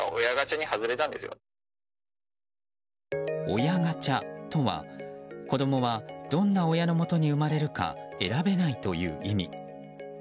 親ガチャとは子供はどんな親の元に生まれるか選べないという意味。